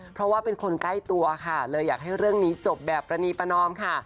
เพราะว่าเป็นคนใกล้ตัวค่ะเลยอยากให้เรื่องนี้จบแบบประนีประนอมค่ะ